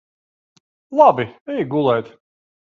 Labi. Ej gulēt.